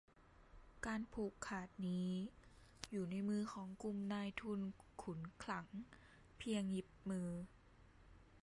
การผูกขาดนี้อยู่ในมือของกลุ่มนายทุนขุนคลังเพียงหยิบมือ